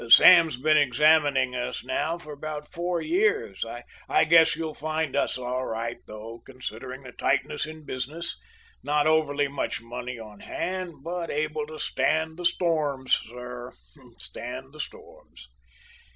"Sam's been examining us now, for about four years. I guess you'll find us all right, though, considering the tightness in business. Not overly much money on hand, but able to stand the storms, sir, stand the storms."